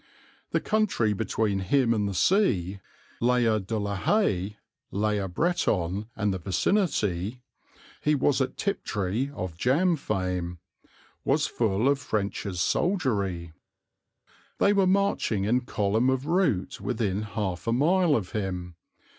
The country between him and the sea, Layer de la Haye, Layer Breton and the vicinity he was at Tiptree of jam fame was full of French's soldiery. They were marching in column of route within half a mile of him.